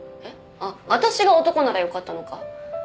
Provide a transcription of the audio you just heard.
あっ私が男ならよかったのか。